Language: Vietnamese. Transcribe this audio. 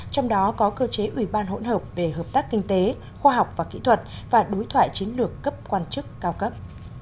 trong đó có cơ chế ủy ban hỗn hợp về hợp tác kinh tế khoa học và kỹ thuật và đối thoại chiến lược cấp quan chức cao cấp